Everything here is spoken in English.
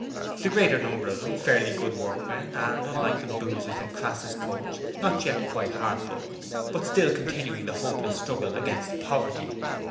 The greater number of them fairly good workmen and unlike the boozers in Crass's coach not yet quite heartbroken, but still continuing the hopeless struggle against poverty.